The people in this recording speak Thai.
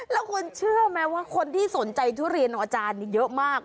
แล้วคุณเชื่อไหมว่าคนที่สนใจทุเรียนอาจารย์เยอะมาก